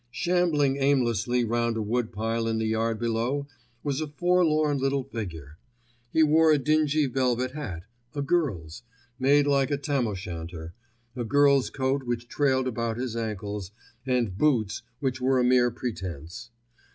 Shambling aimlessly round a wood pile in the yard below was a forlorn little figure. He wore a dingy velvet hat—a girl's—made like a tam o' shanter, a girl's coat which trailed about his ankles, and hoots which were a mere pretence.